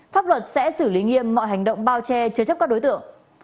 pháp luật sẽ xử lý nghiêm mọi hành động bao che chứa chấp các đối tượng